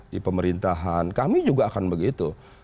di pemerintahan kami juga akan begitu